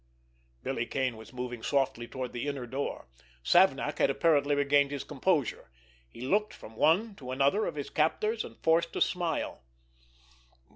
Billy Kane was moving softly toward the inner door. Savnak had apparently regained his composure. He looked from one to another of his captors, and forced a smile.